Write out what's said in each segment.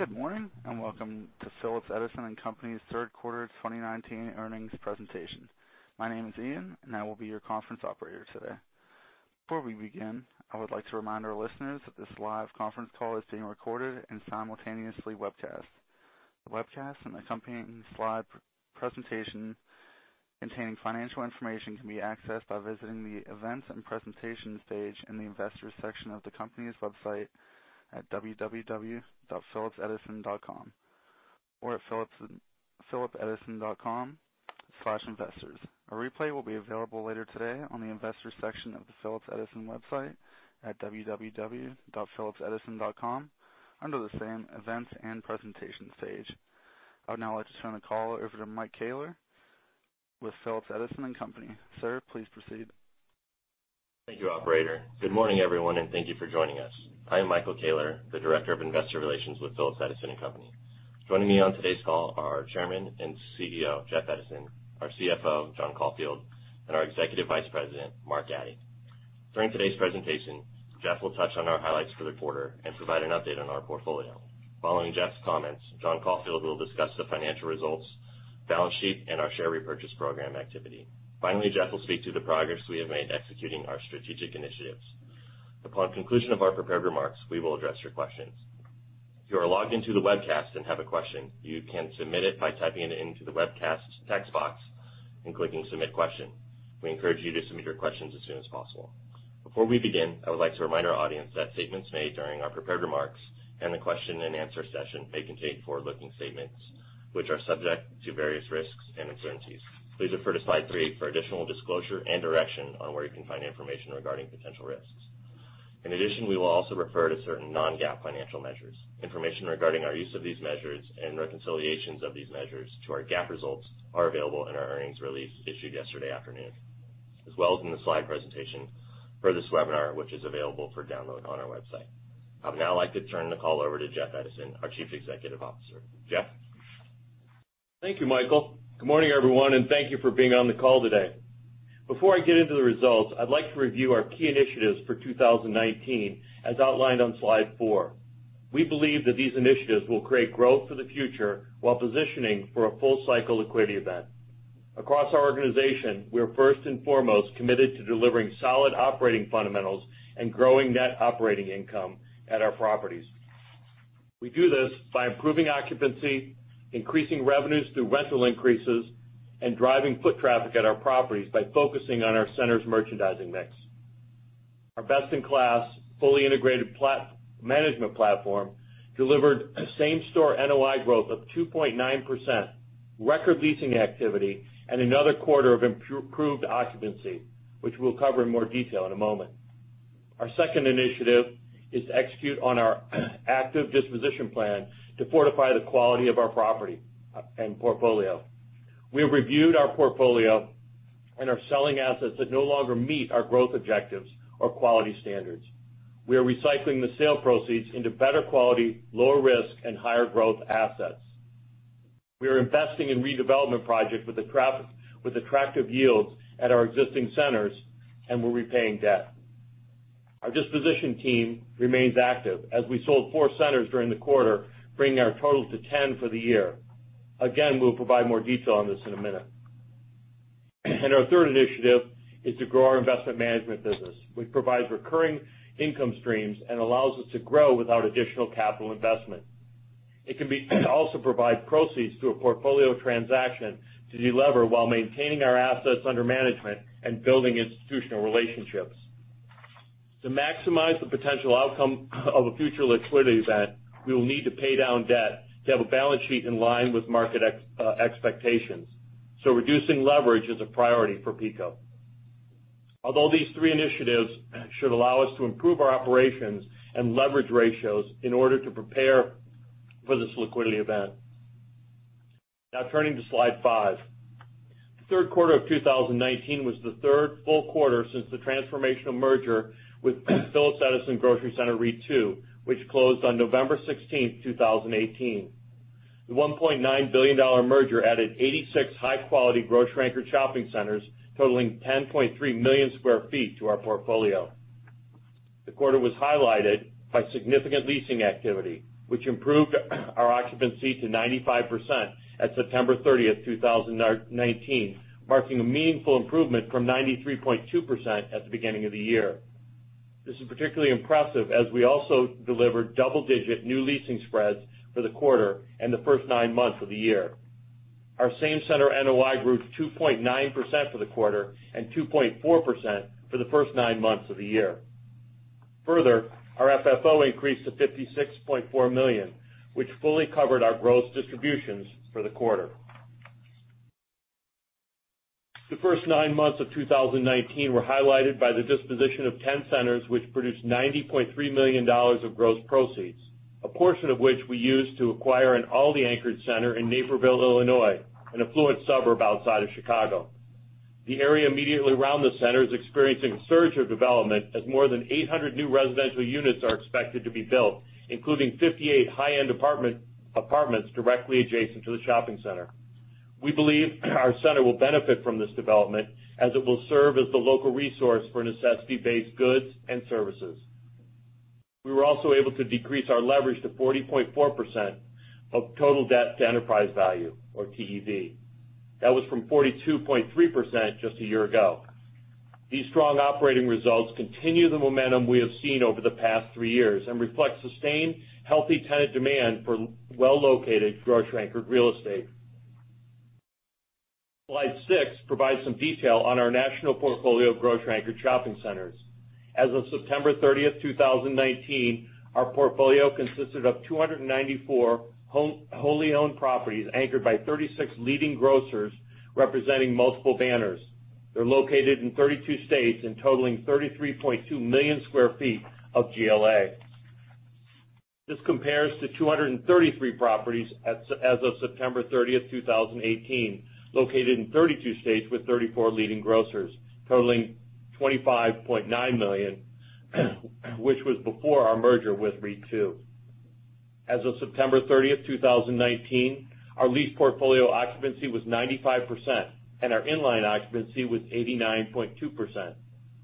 Good morning, welcome to Phillips Edison & Company's third quarter 2019 earnings presentation. My name is Ian, I will be your conference operator today. Before we begin, I would like to remind our listeners that this live conference call is being recorded and simultaneously webcast. The webcast accompanying slide presentation containing financial information can be accessed by visiting the Events and Presentations page in the Investors section of the company's website at www.phillipsedison.com or at phillipsedison.com/investors. A replay will be available later today on the Investors section of the Phillips Edison website at www.phillipsedison.com under the same Events and Presentations page. I would now like to turn the call over to Michael Koehler with Phillips Edison & Company. Sir, please proceed. Thank you, operator. Good morning, everyone, and thank you for joining us. I am Michael Koehler, the Director of Investor Relations with Phillips Edison & Company. Joining me on today's call are Chairman and CEO, Jeff Edison, our CFO, John Caulfield, and our Executive Vice President, Mark Addy. During today's presentation, Jeff will touch on our highlights for the quarter and provide an update on our portfolio. Following Jeff's comments, John Caulfield will discuss the financial results, balance sheet, and our share repurchase program activity. Finally, Jeff will speak to the progress we have made executing our strategic initiatives. Upon conclusion of our prepared remarks, we will address your questions. If you are logged into the webcast and have a question, you can submit it by typing it into the webcast text box and clicking Submit Question. We encourage you to submit your questions as soon as possible. Before we begin, I would like to remind our audience that statements made during our prepared remarks and the question and answer session may contain forward-looking statements which are subject to various risks and uncertainties. Please refer to slide three for additional disclosure and direction on where you can find information regarding potential risks. In addition, we will also refer to certain non-GAAP financial measures. Information regarding our use of these measures and reconciliations of these measures to our GAAP results are available in our earnings release issued yesterday afternoon, as well as in the slide presentation for this webinar, which is available for download on our website. I would now like to turn the call over to Jeff Edison, our Chief Executive Officer. Jeff? Thank you, Michael. Good morning, everyone, thank you for being on the call today. Before I get into the results, I'd like to review our key initiatives for 2019, as outlined on slide four. We believe that these initiatives will create growth for the future while positioning for a full-cycle liquidity event. Across our organization, we are first and foremost committed to delivering solid operating fundamentals and growing net operating income at our properties. We do this by improving occupancy, increasing revenues through rental increases, and driving foot traffic at our properties by focusing on our center's merchandising mix. Our best-in-class, fully integrated management platform delivered a same-store NOI growth of 2.9%, record leasing activity, and another quarter of improved occupancy, which we'll cover in more detail in a moment. Our second initiative is to execute on our active disposition plan to fortify the quality of our property and portfolio. We have reviewed our portfolio and are selling assets that no longer meet our growth objectives or quality standards. We are recycling the sale proceeds into better quality, lower risk, and higher growth assets. We are investing in redevelopment projects with attractive yields at our existing centers, and we're repaying debt. Our disposition team remains active as we sold four centers during the quarter, bringing our total to 10 for the year. Again, we'll provide more detail on this in a minute. Our third initiative is to grow our investment management business, which provides recurring income streams and allows us to grow without additional capital investment. It can also provide proceeds through a portfolio transaction to delever while maintaining our assets under management and building institutional relationships. To maximize the potential outcome of a future liquidity event, we will need to pay down debt to have a balance sheet in line with market expectations, reducing leverage is a priority for PECO. Although these three initiatives should allow us to improve our operations and leverage ratios in order to prepare for this liquidity event. Now turning to slide five. The third quarter of 2019 was the third full quarter since the transformational merger with Phillips Edison Grocery Center REIT II, which closed on November 16th, 2018. The $1.9 billion merger added 86 high-quality grocery-anchored shopping centers totaling 10.3 million square feet to our portfolio. The quarter was highlighted by significant leasing activity, which improved our occupancy to 95% at September 30th, 2019, marking a meaningful improvement from 93.2% at the beginning of the year. This is particularly impressive as we also delivered double-digit new leasing spreads for the quarter and the first nine months of the year. Our same-center NOI grew 2.9% for the quarter and 2.4% for the first nine months of the year. Further, our FFO increased to $56.4 million, which fully covered our gross distributions for the quarter. The first nine months of 2019 were highlighted by the disposition of 10 centers, which produced $90.3 million of gross proceeds, a portion of which we used to acquire an Aldi-anchored center in Naperville, Illinois, an affluent suburb outside of Chicago. The area immediately around the center is experiencing a surge of development as more than 800 new residential units are expected to be built, including 58 high-end apartments directly adjacent to the shopping center. We believe our center will benefit from this development as it will serve as the local resource for necessity-based goods and services. We were also able to decrease our leverage to 40.4% of total debt to enterprise value, or TEV. That was from 42.3% just a year ago. These strong operating results continue the momentum we have seen over the past three years and reflect sustained healthy tenant demand for well-located grocery-anchored real estate. Slide six provides some detail on our national portfolio of grocery-anchored shopping centers. As of September 30th, 2019, our portfolio consisted of 294 wholly owned properties anchored by 36 leading grocers representing multiple banners. They're located in 32 states and totaling 33.2 million sq ft of GLA. This compares to 233 properties as of September 30, 2018, located in 32 states with 34 leading grocers, totaling 25.9 million, which was before our merger with REIT II. As of September 30, 2019, our lease portfolio occupancy was 95%, and our in-line occupancy was 89.2%.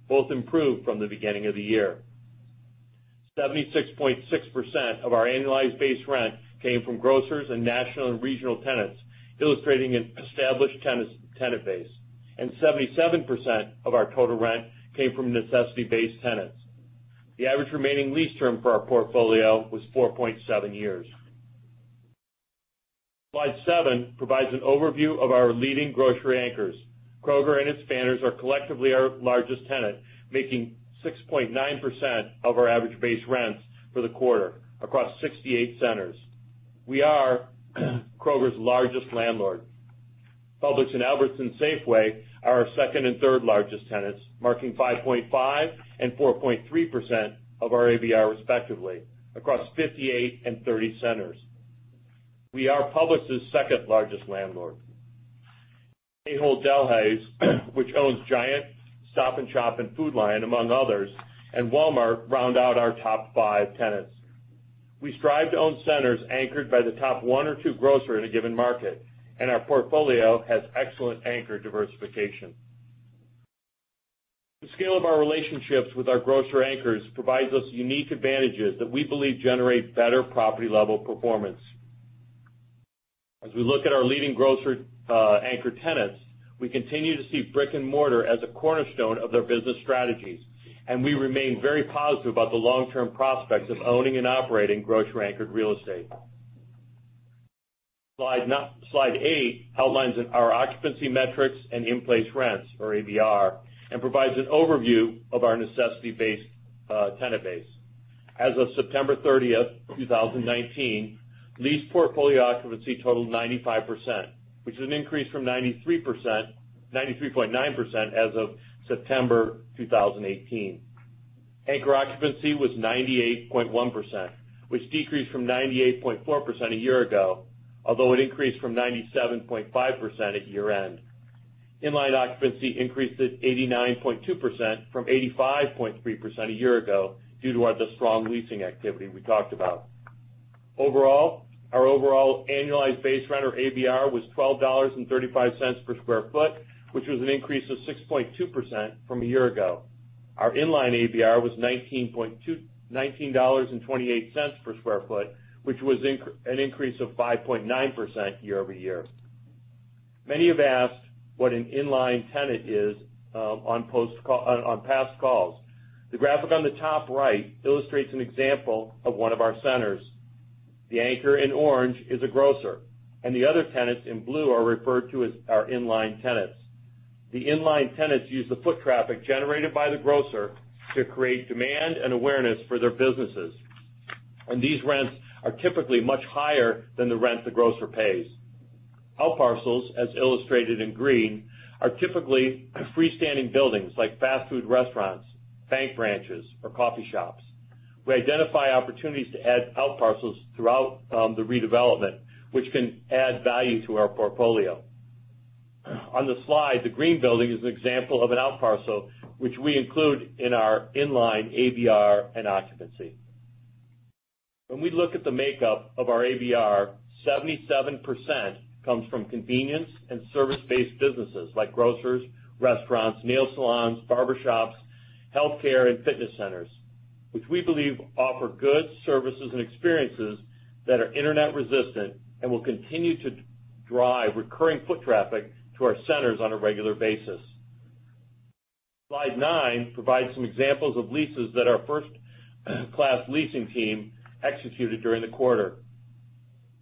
Both improved from the beginning of the year. 76.6% of our annualized base rent came from grocers and national and regional tenants, illustrating an established tenant base. 77% of our total rent came from necessity-based tenants. The average remaining lease term for our portfolio was 4.7 years. Slide seven provides an overview of our leading grocery anchors. Kroger and its banners are collectively our largest tenant, making 6.9% of our average base rents for the quarter across 68 centers. We are Kroger's largest landlord. Publix and Albertsons Safeway are our second and third largest tenants, marking 5.5% and 4.3% of our ABR respectively across 58 and 30 centers. We are Publix's second-largest landlord. Ahold Delhaize, which owns Giant, Stop & Shop, and Food Lion, among others, and Walmart round out our top five tenants. We strive to own centers anchored by the top one or two grocer in a given market, and our portfolio has excellent anchor diversification. The scale of our relationships with our grocer anchors provides us unique advantages that we believe generate better property-level performance. As we look at our leading grocer anchor tenants, we continue to see brick and mortar as a cornerstone of their business strategies, and we remain very positive about the long-term prospects of owning and operating grocery-anchored real estate. Slide eight outlines our occupancy metrics and in-place rents or ABR and provides an overview of our necessity-based tenant base. As of September 30th, 2019, lease portfolio occupancy totaled 95%, which is an increase from 93.9% as of September 2018. Anchor occupancy was 98.1%, which decreased from 98.4% a year ago, although it increased from 97.5% at year-end. In-line occupancy increased to 89.2% from 85.3% a year ago due to the strong leasing activity we talked about. Overall, our overall annualized base rent or ABR was $12.35 per square foot, which was an increase of 6.2% from a year ago. Our in-line ABR was $19.28 per square foot, which was an increase of 5.9% year-over-year. Many have asked what an in-line tenant is on past calls. The graphic on the top right illustrates an example of one of our centers. The anchor in orange is a grocer, and the other tenants in blue are referred to as our in-line tenants. The in-line tenants use the foot traffic generated by the grocer to create demand and awareness for their businesses, and these rents are typically much higher than the rent the grocer pays. Outparcels, as illustrated in green, are typically freestanding buildings like fast food restaurants, bank branches, or coffee shops. We identify opportunities to add outparcels throughout the redevelopment, which can add value to our portfolio. On the slide, the green building is an example of an outparcel which we include in our in-line ABR and occupancy. When we look at the makeup of our ABR, 77% comes from convenience and service-based businesses like grocers, restaurants, nail salons, barber shops, healthcare and fitness centers, which we believe offer goods, services, and experiences that are internet-resistant and will continue to drive recurring foot traffic to our centers on a regular basis. Slide nine provides some examples of leases that our first-class leasing team executed during the quarter.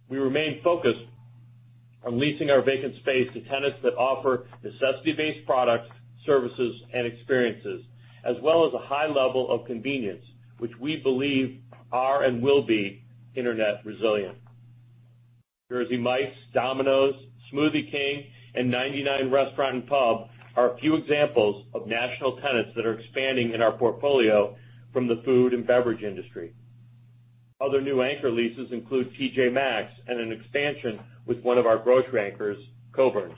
We remain focused on leasing our vacant space to tenants that offer necessity-based products, services, and experiences, as well as a high level of convenience, which we believe are and will be internet resilient. Jersey Mike's, Domino's, Smoothie King, and Ninety Nine Restaurant & Pub are a few examples of national tenants that are expanding in our portfolio from the food and beverage industry. Other new anchor leases include T.J.Maxx and an expansion with one of our grocery anchors, Coborn's.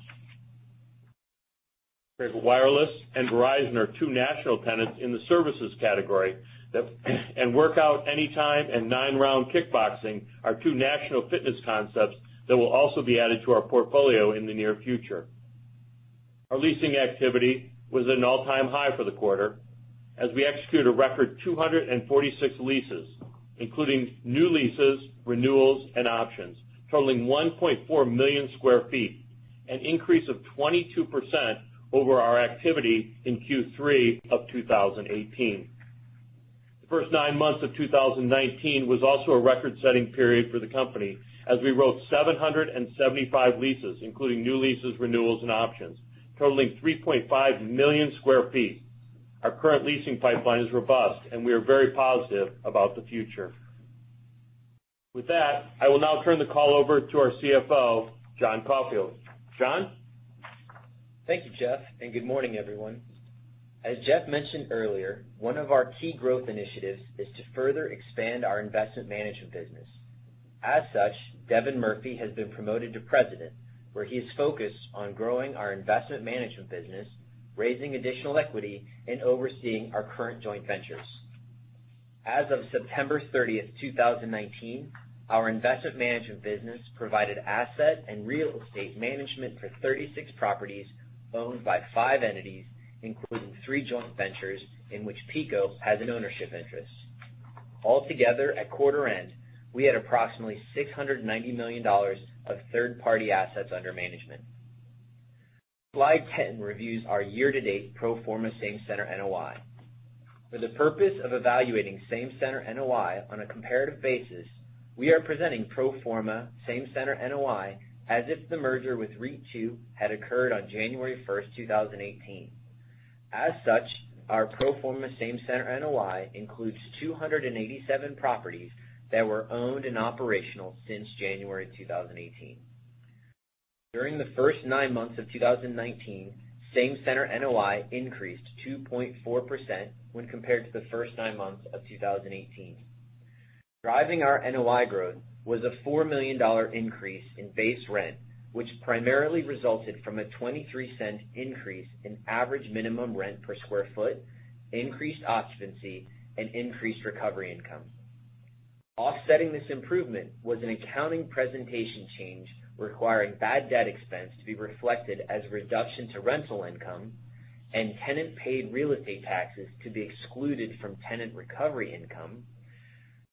Cricket Wireless and Verizon are two national tenants in the services category. Workout Anytime and 9Round Kickboxing are two national fitness concepts that will also be added to our portfolio in the near future. Our leasing activity was at an all-time high for the quarter as we executed a record 246 leases, including new leases, renewals, and options, totaling 1.4 million square feet, an increase of 22% over our activity in Q3 of 2018. The first nine months of 2019 was also a record-setting period for the company, as we wrote 775 leases, including new leases, renewals, and options, totaling 3.5 million square feet. Our current leasing pipeline is robust, and we are very positive about the future. With that, I will now turn the call over to our CFO, John Caulfield. John? Thank you, Jeff. Good morning, everyone. As Jeff mentioned earlier, one of our key growth initiatives is to further expand our investment management business. As such, Devin Murphy has been promoted to President, where he is focused on growing our investment management business, raising additional equity, and overseeing our current joint ventures. As of September 30th, 2019, our investment management business provided asset and real estate management for 36 properties owned by five entities, including three joint ventures in which PECO has an ownership interest. Altogether, at quarter end, we had approximately $690 million of third-party assets under management. Slide 10 reviews our year-to-date pro forma same-center NOI. For the purpose of evaluating same-center NOI on a comparative basis, we are presenting pro forma same-center NOI as if the merger with REIT Two had occurred on January 1st, 2018. As such, our pro forma same center NOI includes 287 properties that were owned and operational since January 2018. During the first nine months of 2019, same center NOI increased 2.4% when compared to the first nine months of 2018. Driving our NOI growth was a $4 million increase in base rent, which primarily resulted from a $0.23 increase in average minimum rent per square foot, increased occupancy, and increased recovery income. Offsetting this improvement was an accounting presentation change requiring bad debt expense to be reflected as a reduction to rental income and tenant-paid real estate taxes to be excluded from tenant recovery income.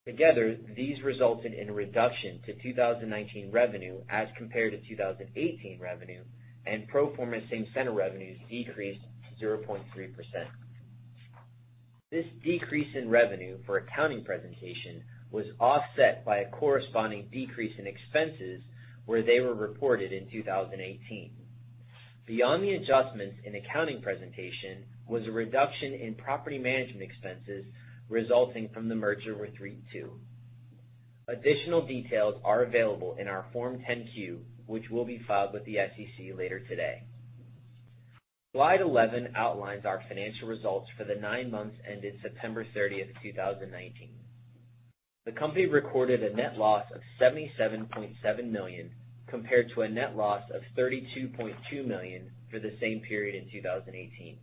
Together, these resulted in a reduction to 2019 revenue as compared to 2018 revenue and pro forma same center revenues decreased 0.3%. This decrease in revenue for accounting presentation was offset by a corresponding decrease in expenses where they were reported in 2018. Beyond the adjustments in accounting presentation was a reduction in property management expenses resulting from the merger with REIT Two. Additional details are available in our Form 10-Q, which will be filed with the SEC later today. Slide 11 outlines our financial results for the nine months ended September 30th, 2019. The company recorded a net loss of $77.7 million compared to a net loss of $32.2 million for the same period in 2018.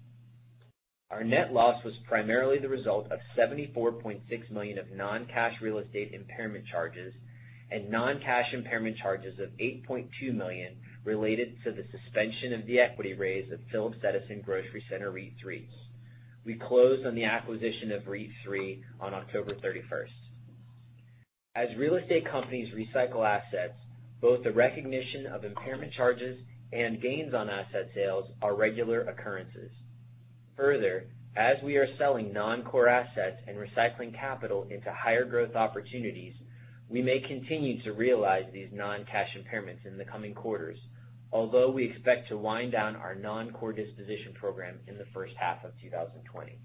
Our net loss was primarily the result of $74.6 million of non-cash real estate impairment charges and non-cash impairment charges of $8.2 million related to the suspension of the equity raise of Phillips Edison Grocery Center REIT III. We closed on the acquisition of REIT III on October 31st. As real estate companies recycle assets, both the recognition of impairment charges and gains on asset sales are regular occurrences. Further, as we are selling non-core assets and recycling capital into higher growth opportunities, we may continue to realize these non-cash impairments in the coming quarters, although we expect to wind down our non-core disposition program in the first half of 2020.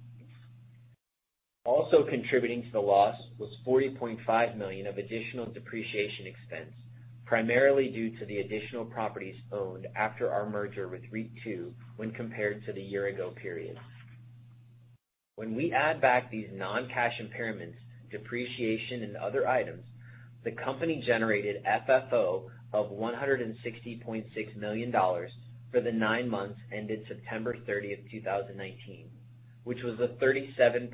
Contributing to the loss was $40.5 million of additional depreciation expense, primarily due to the additional properties owned after our merger with REIT Two when compared to the year-ago period. When we add back these non-cash impairments, depreciation, and other items, the company generated FFO of $160.6 million for the nine months ended September 30th, 2019, which was a 37.2%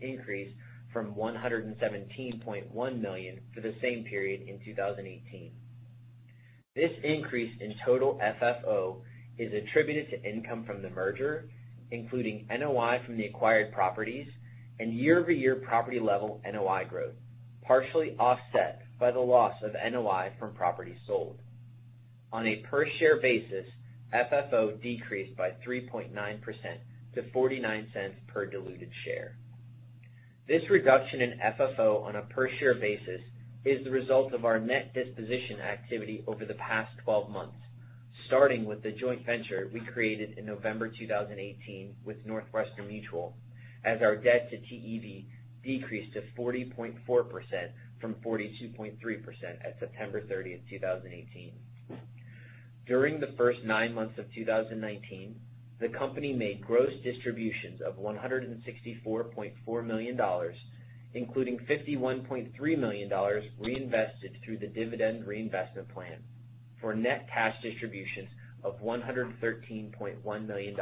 increase from $117.1 million for the same period in 2018. This increase in total FFO is attributed to income from the merger, including NOI from the acquired properties and year-over-year property level NOI growth, partially offset by the loss of NOI from properties sold. On a per-share basis, FFO decreased by 3.9% to $0.49 per diluted share. This reduction in FFO on a per-share basis is the result of our net disposition activity over the past 12 months, starting with the joint venture we created in November 2018 with Northwestern Mutual as our debt to TEV decreased to 40.4% from 42.3% at September 30th, 2018. During the first nine months of 2019, the company made gross distributions of $164.4 million, including $51.3 million reinvested through the dividend reinvestment plan for net cash distributions of $113.1 million,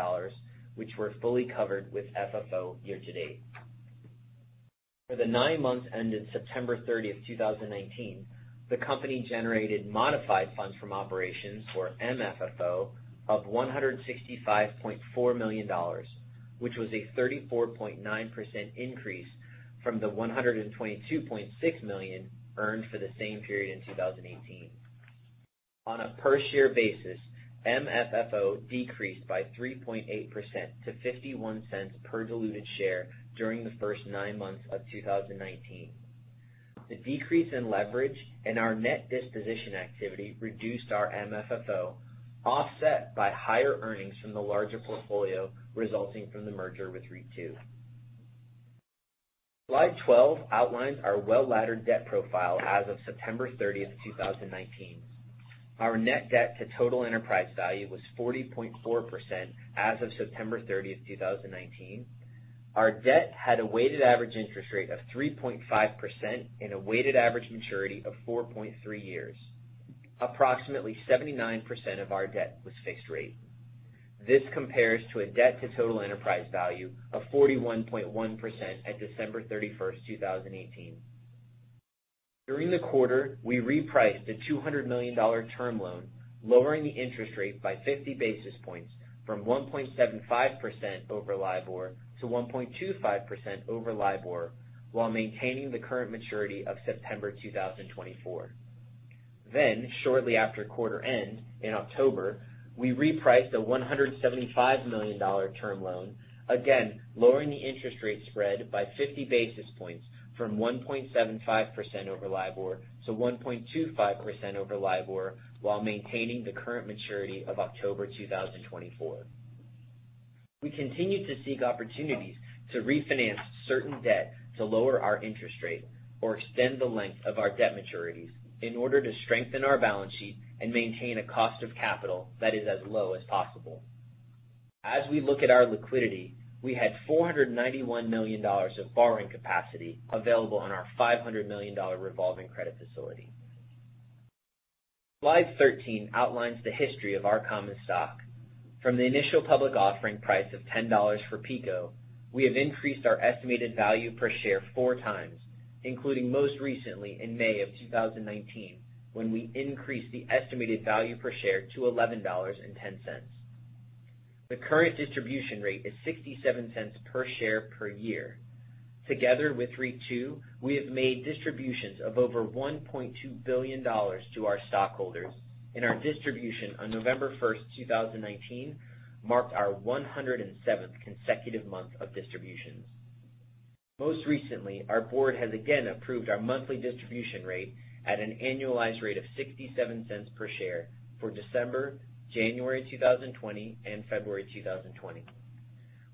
which were fully covered with FFO year to date. For the nine months ended September 30th, 2019, the company generated modified funds from operations, or MFFO, of $165.4 million, which was a 34.9% increase from the $122.6 million earned for the same period in 2018. On a per share basis, MFFO decreased by 3.8% to $0.51 per diluted share during the first nine months of 2019. The decrease in leverage and our net disposition activity reduced our MFFO, offset by higher earnings from the larger portfolio resulting from the merger with REIT Two. Slide 12 outlines our well-laddered debt profile as of September 30th, 2019. Our net debt to total enterprise value was 40.4% as of September 30th, 2019. Our debt had a weighted average interest rate of 3.5% and a weighted average maturity of four years. Approximately 79% of our debt was fixed rate. This compares to a debt to total enterprise value of 41.1% at December 31st, 2018. During the quarter, we repriced a $200 million term loan, lowering the interest rate by 50 basis points from 1.75% over LIBOR to 1.25% over LIBOR, while maintaining the current maturity of September 2024. Shortly after quarter end in October, we repriced a $175 million term loan, again lowering the interest rate spread by 50 basis points from 1.75% over LIBOR to 1.25% over LIBOR, while maintaining the current maturity of October 2024. We continue to seek opportunities to refinance certain debt to lower our interest rate or extend the length of our debt maturities in order to strengthen our balance sheet and maintain a cost of capital that is as low as possible. As we look at our liquidity, we had $491 million of borrowing capacity available on our $500 million revolving credit facility. Slide 13 outlines the history of our common stock. From the initial public offering price of $10 for PECO, we have increased our estimated value per share four times, including most recently in May of 2019, when we increased the estimated value per share to $11.10. The current distribution rate is $0.67 per share per year. Together with REIT Two, we have made distributions of over $1.2 billion to our stockholders, and our distribution on November 1st, 2019, marked our 107th consecutive month of distributions. Most recently, our board has again approved our monthly distribution rate at an annualized rate of $0.67 per share for December, January 2020, and February 2020.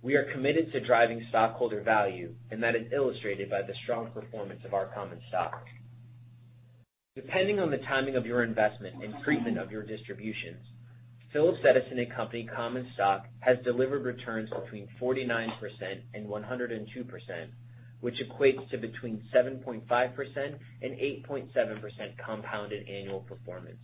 We are committed to driving stockholder value, and that is illustrated by the strong performance of our common stock. Depending on the timing of your investment and treatment of your distributions, Phillips Edison & Company common stock has delivered returns between 49%-102%, which equates to between 7.5%-8.7% compounded annual performance.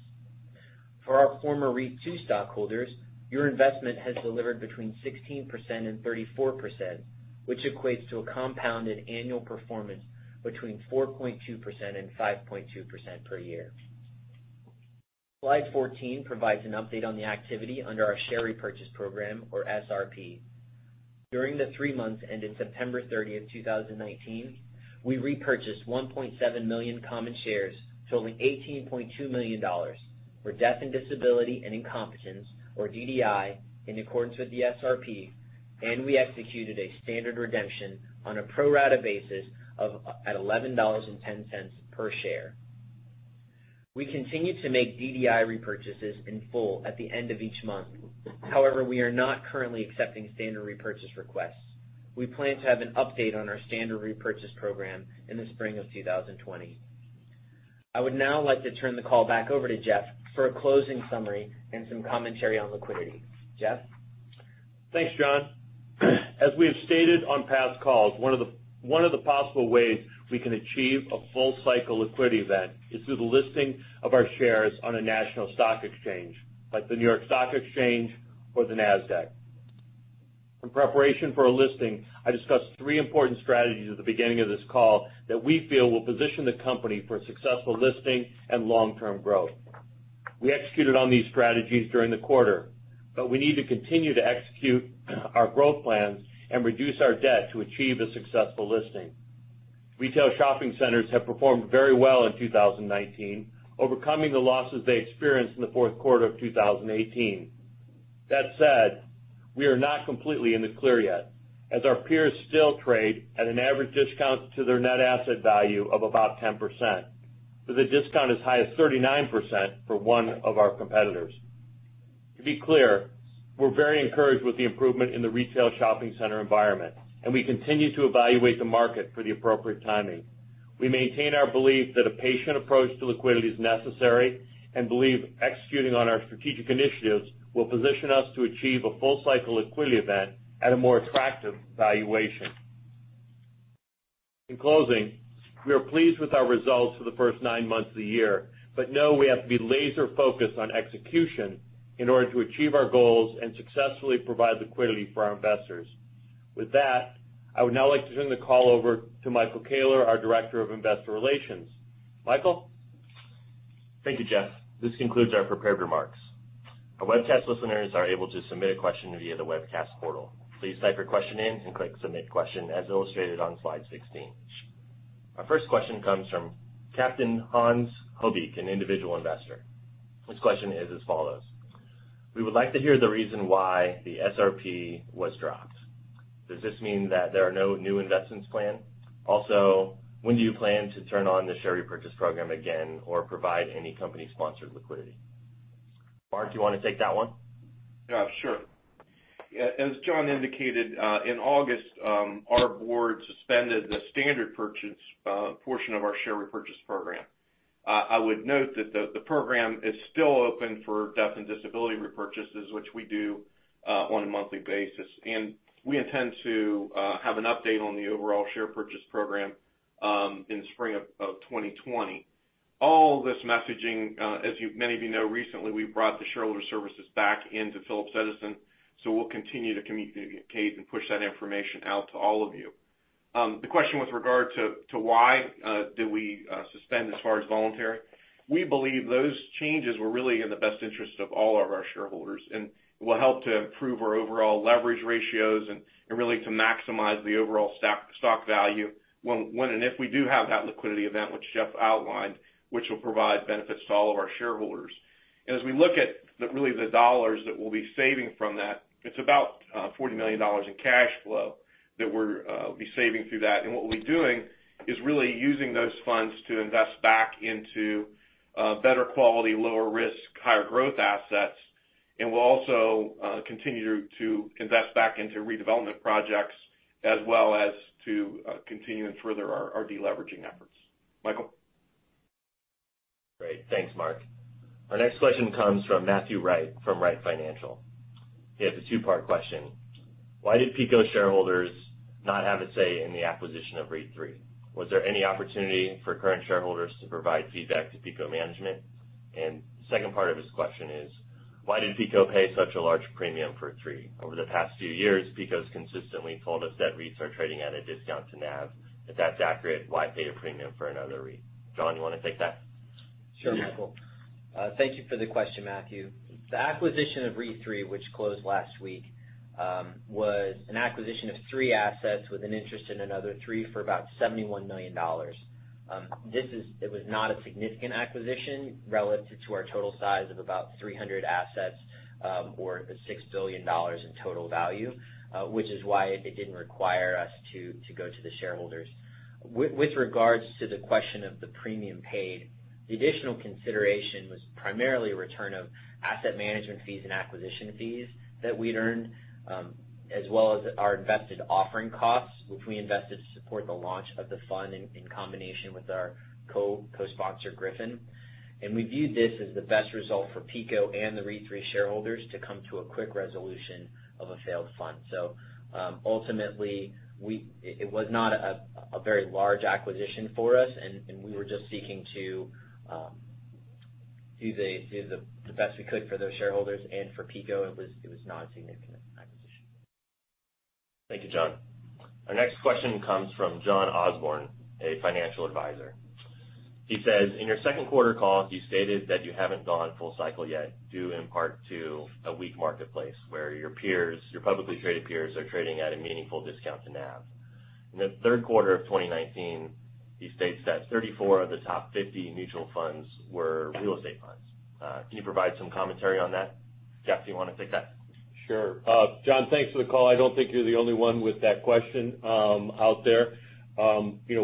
For our former REIT Two stockholders, your investment has delivered between 16%-34%, which equates to a compounded annual performance between 4.2%-5.2% per year. Slide 14 provides an update on the activity under our share repurchase program or SRP. During the three months ended September 30th, 2019, we repurchased 1.7 million common shares totaling $18.2 million for death and disability and incompetence, or DDI, in accordance with the SRP, and we executed a standard redemption on a pro-rata basis at $11.10 per share. However, we are not currently accepting standard repurchase requests. We continue to make DDI repurchases in full at the end of each month. We plan to have an update on our standard repurchase program in the spring of 2020. I would now like to turn the call back over to Jeff for a closing summary and some commentary on liquidity. Jeff? Thanks, John. As we have stated on past calls, one of the possible ways we can achieve a full-cycle liquidity event is through the listing of our shares on a national stock exchange, like the New York Stock Exchange or the Nasdaq. In preparation for a listing, I discussed three important strategies at the beginning of this call that we feel will position the company for successful listing and long-term growth. We executed on these strategies during the quarter. We need to continue to execute our growth plans and reduce our debt to achieve a successful listing. Retail shopping centers have performed very well in 2019, overcoming the losses they experienced in the fourth quarter of 2018. That said, we are not completely in the clear yet, as our peers still trade at an average discount to their net asset value of about 10%, with a discount as high as 39% for one of our competitors. To be clear, we're very encouraged with the improvement in the retail shopping center environment, and we continue to evaluate the market for the appropriate timing. We maintain our belief that a patient approach to liquidity is necessary and believe executing on our strategic initiatives will position us to achieve a full-cycle liquidity event at a more attractive valuation. In closing, we are pleased with our results for the first nine months of the year, but know we have to be laser-focused on execution in order to achieve our goals and successfully provide liquidity for our investors. With that, I would now like to turn the call over to Michael Koehler, our Director of Investor Relations. Michael? Thank you, Jeff. This concludes our prepared remarks. Our webcast listeners are able to submit a question via the webcast portal. Please type your question in and click Submit Question as illustrated on slide 16. Our first question comes from Captain Hans Hobie, an individual investor, whose question is as follows: We would like to hear the reason why the SRP was dropped. Does this mean that there are no new investments planned? Also, when do you plan to turn on the share repurchase program again, or provide any company-sponsored liquidity? Mark, do you want to take that one? Yeah, sure. As John indicated, in August, our board suspended the standard purchase portion of our share repurchase program. I would note that the program is still open for death and disability repurchases, which we do on a monthly basis, and we intend to have an update on the overall share purchase program in the spring of 2020. All this messaging, as many of you know, recently, we've brought the shareholder services back into Phillips Edison, so we'll continue to communicate and push that information out to all of you. The question with regard to why did we suspend as far as voluntary, we believe those changes were really in the best interest of all of our shareholders, and will help to improve our overall leverage ratios and really to maximize the overall stock value when and if we do have that liquidity event, which Jeff outlined, which will provide benefits to all of our shareholders. As we look at really the dollars that we'll be saving from that, it's about $40 million in cash flow that we'll be saving through that. What we'll be doing is really using those funds to invest back into better quality, lower risk, higher growth assets. We'll also continue to invest back into redevelopment projects as well as to continue and further our de-leveraging efforts. Michael? Great. Thanks, Mark. Our next question comes from Matthew Wright from Wright Financial. He has a two-part question. Why did PECO shareholders not have a say in the acquisition of REIT III? Was there any opportunity for current shareholders to provide feedback to PECO management? The second part of his question is, why did PECO pay such a large premium for III? Over the past few years, PECO's consistently told us that REITs are trading at a discount to NAV. If that's accurate, why pay a premium for another REIT? John, you want to take that? Sure, Michael. Thank you for the question, Matthew. The acquisition of REIT III, which closed last week, was an acquisition of three assets with an interest in another three for about $71 million. It was not a significant acquisition relative to our total size of about 300 assets, or the $6 billion in total value, which is why it didn't require us to go to the shareholders. With regards to the question of the premium paid, the additional consideration was primarily a return of asset management fees and acquisition fees that we'd earned, as well as our invested offering costs, which we invested to support the launch of the fund in combination with our co-sponsor, Griffin-American. We viewed this as the best result for PECO and the REIT III shareholders to come to a quick resolution of a failed fund. Ultimately, it was not a very large acquisition for us, and we were just seeking to do the best we could for those shareholders and for PECO. It was not a significant acquisition. Thank you, John. Our next question comes from John Osborne, a financial advisor. He says, in your second quarter call, you stated that you haven't gone full cycle yet, due in part to a weak marketplace, where your publicly traded peers are trading at a meaningful discount to NAV. In the third quarter of 2019, he states that 34 of the top 50 mutual funds were real estate funds. Can you provide some commentary on that? Jeff, do you want to take that? Sure. John, thanks for the call. I don't think you're the only one with that question out there. As you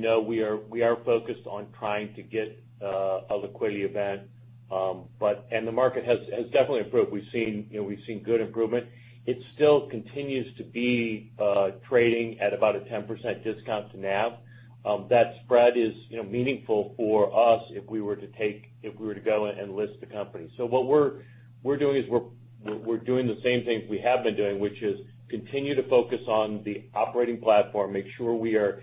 know, we are focused on trying to get a liquidity event. The market has definitely improved. We've seen good improvement. It still continues to be trading at about a 10% discount to NAV. That spread is meaningful for us if we were to go and list the company. What we're doing is we're doing the same things we have been doing, which is continue to focus on the operating platform, make sure we are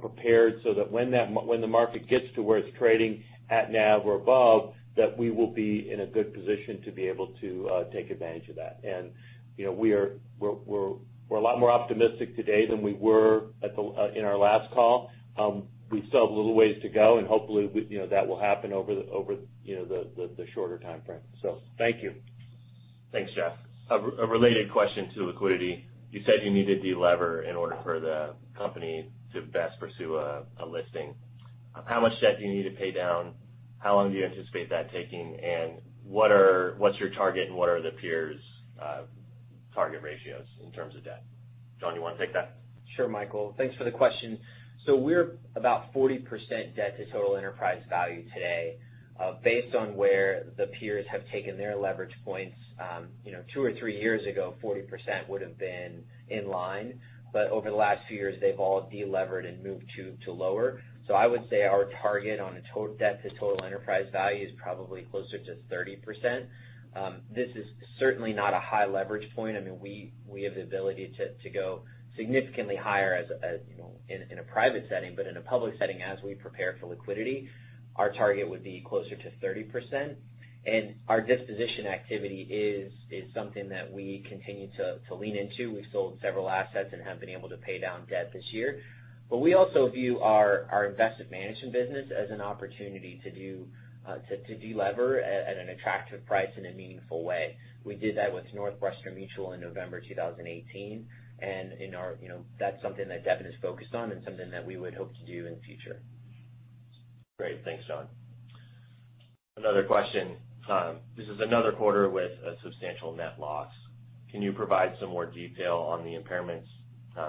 prepared so that when the market gets to where it's trading at NAV or above, that we will be in a good position to be able to take advantage of that. We're a lot more optimistic today than we were in our last call. We still have a little ways to go, and hopefully that will happen over the shorter time frame. Thank you. Thanks, Jeff. A related question to liquidity. You said you need to de-lever in order for the company to best pursue a listing. How much debt do you need to pay down? How long do you anticipate that taking, and what's your target and what are the peers' target ratios in terms of debt? John, you want to take that? Sure, Michael, thanks for the question. We're about 40% debt to total enterprise value today. Based on where the peers have taken their leverage points, two or three years ago, 40% would've been in line, but over the last few years, they've all de-levered and moved to lower. I would say our target on a debt to total enterprise value is probably closer to 30%. This is certainly not a high leverage point. We have the ability to go significantly higher in a private setting, but in a public setting, as we prepare for liquidity, our target would be closer to 30%. Our disposition activity is something that we continue to lean into. We've sold several assets and have been able to pay down debt this year. We also view our investment management business as an opportunity to de-lever at an attractive price in a meaningful way. We did that with Northwestern Mutual in November 2018. That's something that Devin is focused on and something that we would hope to do in the future. Great. Thanks, John. Another question. This is another quarter with a substantial net loss. Can you provide some more detail on the impairments?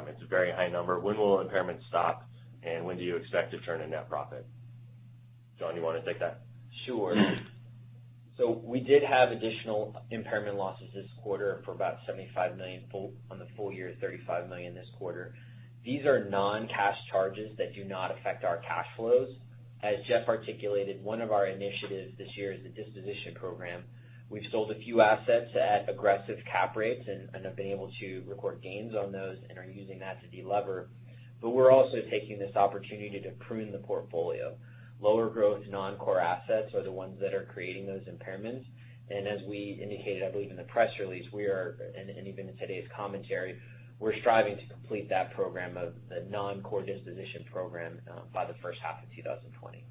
It's a very high number. When will impairment stop, and when do you expect to turn a net profit? John, you want to take that? Sure. We did have additional impairment losses this quarter for about $75 million, on the full year, $35 million this quarter. These are non-cash charges that do not affect our cash flows. As Jeff articulated, one of our initiatives this year is the disposition program. We've sold a few assets at aggressive cap rates and have been able to record gains on those and are using that to de-lever. We're also taking this opportunity to prune the portfolio. Lower growth, non-core assets are the ones that are creating those impairments. As we indicated, I believe in the press release, and even in today's commentary, we're striving to complete that program of the non-core disposition program by the first half of 2020.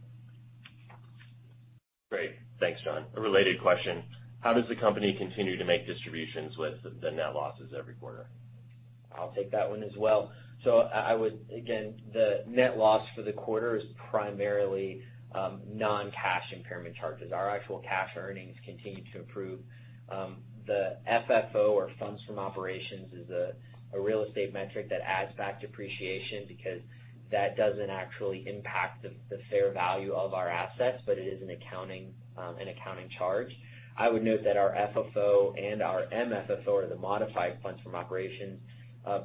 Great. Thanks, John. A related question, how does the company continue to make distributions with the net losses every quarter? I'll take that one as well. Again, the net loss for the quarter is primarily non-cash impairment charges. Our actual cash earnings continue to improve. The FFO, or funds from operations, is a real estate metric that adds back depreciation because that doesn't actually impact the fair value of our assets, but it is an accounting charge. I would note that our FFO and our MFFO, or the modified funds from operations,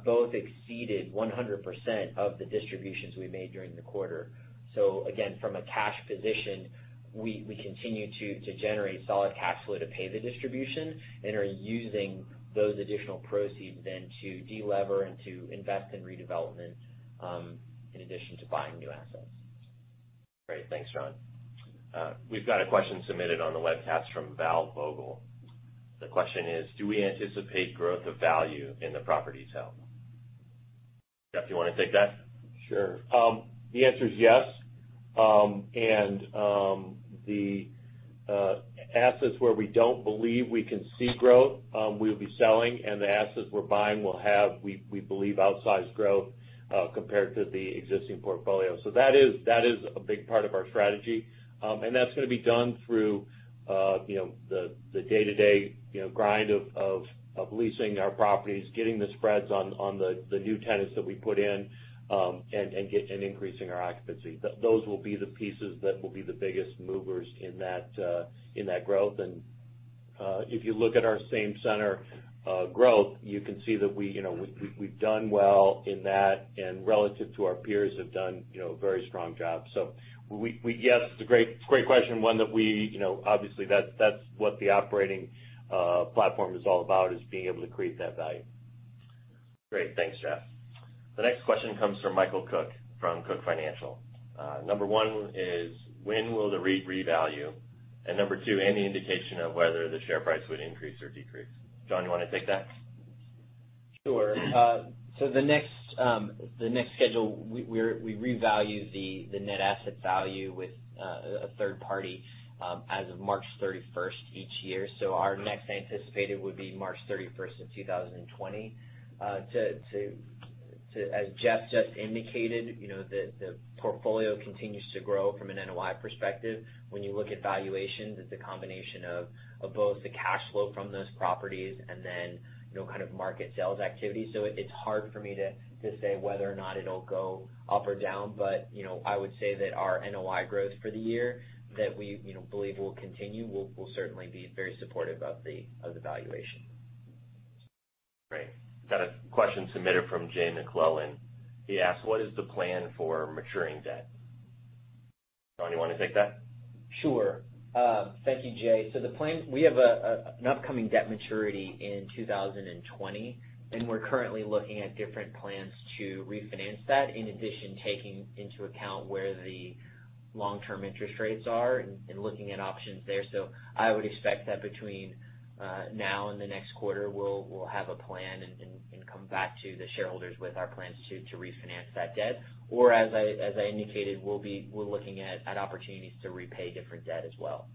both exceeded 100% of the distributions we made during the quarter. Again, from a cash position, we continue to generate solid cash flow to pay the distribution and are using those additional proceeds then to de-lever and to invest in redevelopment, in addition to buying new assets. Great. Thanks, John. We've got a question submitted on the webcast from Val Vogel. The question is, do we anticipate growth of value in the properties held? Jeff, you want to take that? Sure. The answer is yes. The assets where we don't believe we can see growth, we'll be selling, and the assets we're buying will have, we believe, outsized growth, compared to the existing portfolio. That is a big part of our strategy. That's going to be done through the day-to-day grind of leasing our properties, getting the spreads on the new tenants that we put in, and increasing our occupancy. Those will be the pieces that will be the biggest movers in that growth. If you look at our same center growth, you can see that we've done well in that, and relative to our peers, have done a very strong job. Yes, it's a great question. Obviously, that's what the operating platform is all about, is being able to create that value. Great. Thanks, Jeff. The next question comes from Michael Cook from Cook Financial. Number one is when will the REIT revalue? Number two, any indication of whether the share price would increase or decrease? John, you want to take that? Sure. The next schedule, we revalue the net asset value with a third party as of March 31st each year. Our next anticipated would be March 31st of 2020. As Jeff just indicated, the portfolio continues to grow from an NOI perspective. When you look at valuations, it's a combination of both the cash flow from those properties and then kind of market sales activity. It's hard for me to say whether or not it'll go up or down, but I would say that our NOI growth for the year, that we believe will continue, will certainly be very supportive of the valuation. Great. Got a question submitted from Jay McClellan. He asks, "What is the plan for maturing debt?" John, you want to take that? Sure. Thank you, Jay. We have an upcoming debt maturity in 2020, and we're currently looking at different plans to refinance that, in addition, taking into account where the long-term interest rates are and looking at options there. I would expect that between now and the next quarter, we'll have a plan and come back to the shareholders with our plans to refinance that debt. As I indicated, we're looking at opportunities to repay different debt as well.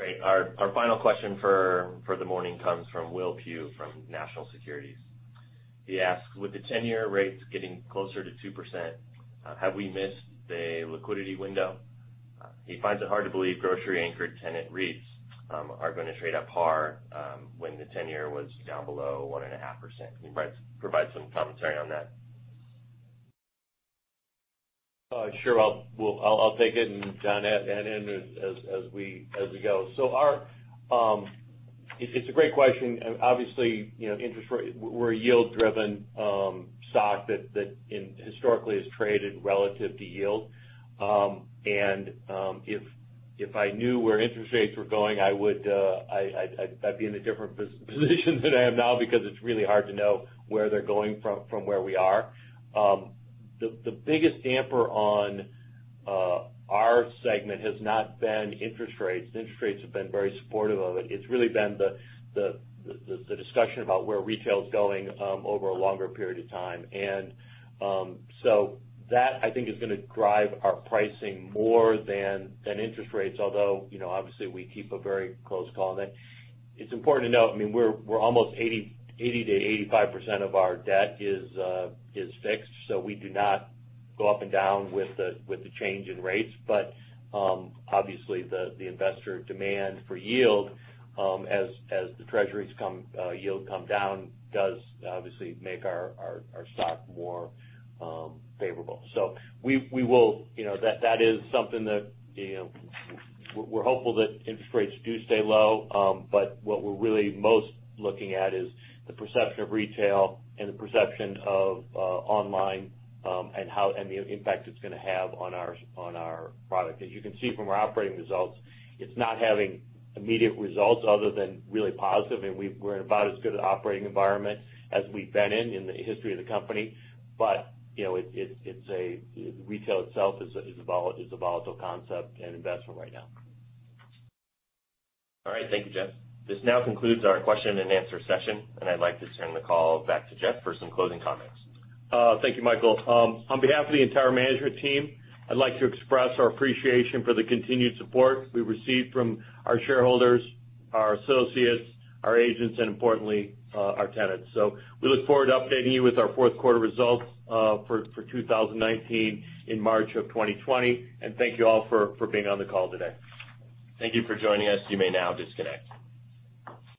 Great. Our final question for the morning comes from Will Pugh from National Securities. He asks, "With the 10-year rates getting closer to 2%, have we missed the liquidity window?" He finds it hard to believe grocery-anchored tenant REITs are going to trade up par when the 10-year was down below 1.5%. Can you provide some commentary on that? Sure. I'll take it. John, add in as we go. It's a great question. Obviously, interest rate, we're a yield-driven stock that historically has traded relative to yield. If I knew where interest rates were going, I'd be in a different position than I am now because it's really hard to know where they're going from where we are. The biggest damper on our segment has not been interest rates. Interest rates have been very supportive of it. It's really been the discussion about where retail's going over a longer period of time. That, I think, is going to drive our pricing more than interest rates, although, obviously, we keep a very close call on it. It's important to note, we're almost 80%-85% of our debt is fixed. We do not go up and down with the change in rates. Obviously, the investor demand for yield, as the Treasuries yield come down, does obviously make our stock more favorable. That is something that we're hopeful that interest rates do stay low. What we're really most looking at is the perception of retail and the perception of online, and the impact it's going to have on our product. As you can see from our operating results, it's not having immediate results other than really positive, and we're in about as good an operating environment as we've been in the history of the company. Retail itself is a volatile concept and investment right now. All right. Thank you, Jeff. This now concludes our question and answer session, and I'd like to turn the call back to Jeff for some closing comments. Thank you, Michael. On behalf of the entire management team, I'd like to express our appreciation for the continued support we've received from our shareholders, our associates, our agents, and importantly, our tenants. We look forward to updating you with our fourth quarter results for 2019, in March of 2020. Thank you all for being on the call today. Thank you for joining us. You may now disconnect.